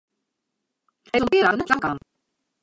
Hy is al in pear dagen net op skoalle kaam.